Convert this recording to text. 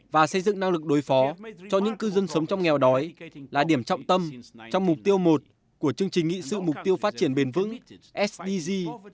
và xây dựng năng lực đối phó cho những cư dân sống trong nghèo đói là điểm trọng tâm trong mục tiêu một của chương trình nghị sự mục tiêu phát triển bền vững sdg